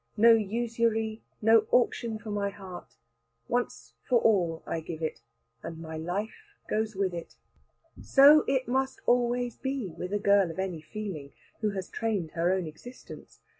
No usury, no auction for my heart: once for all I give it, and my life goes with it. So it must always be with a girl of any feeling, who has trained her own existence.